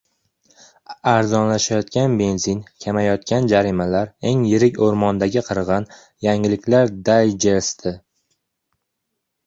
Arzonlashayotgan benzin, kamayayotgan jarimalar, eng yirik o‘rmondagi qirg‘in – yangiliklar dayjesti